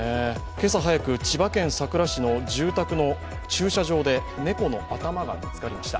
今朝早く千葉県佐倉市の住宅の駐車場で、猫の頭が見つかりました。